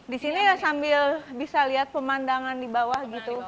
di sini ya sambil bisa lihat pemandangan di bawah gitu